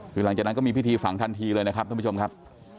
คือหลังจากนั้นก็มีพิธีฝังทันทีเลยนะครับท่านผู้ชมครับ